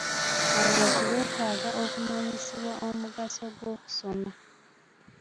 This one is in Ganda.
Abantu beetaaga okumanyisibwa omugaso gw'okusoma.